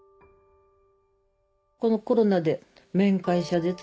このコロナで面会謝絶。